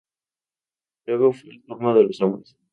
Luego fue el turno de los hombres.